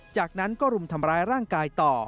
จากนั้นก็รุมทำร้ายร่างกายต่อ